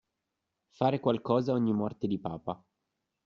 Fare qualcosa ogni morte di papa.